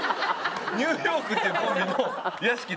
ニューヨークっていうコンビの屋敷です。